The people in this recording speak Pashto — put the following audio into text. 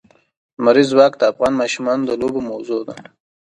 لمریز ځواک د افغان ماشومانو د لوبو موضوع ده.